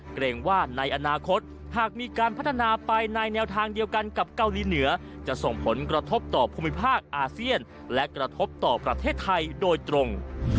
เกรงว่าในอนาคตหากมีการพัฒนาไปในแนวทางเดียวกันกับเกาหลีเหนือจะส่งผลกระทบต่อภูมิภาคอาเซียนและกระทบต่อประเทศไทยโดยตรง